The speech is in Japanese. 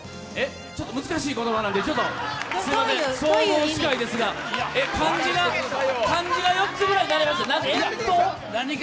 ちょっと難しい言葉なんで、総合司会なんで漢字が４つぐらい何か？